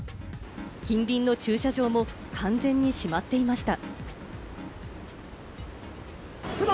近隣の駐車場も完全に閉まっていました。